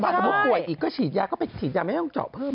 สมมุติป่วยอีกก็ฉีดยาก็ไปฉีดยาไม่ต้องเจาะเพิ่ม